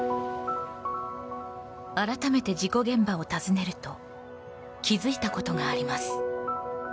改めて、事故現場を訪ねると気付いたことがあります。